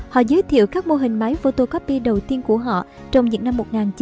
họ giới thiệu các mô hình máy photocopy đầu tiên của họ trong những năm một nghìn chín trăm bốn mươi